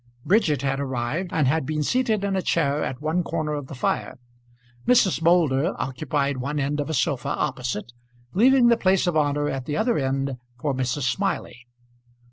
Bridget had arrived, and had been seated in a chair at one corner of the fire. Mrs. Moulder occupied one end of a sofa opposite, leaving the place of honour at the other end for Mrs. Smiley.